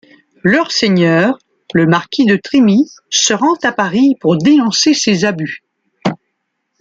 Leur seigneur, le marquis de Trémi, se rend à Paris pour dénoncer ces abus.